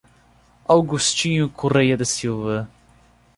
Augostinho Coreia da Silva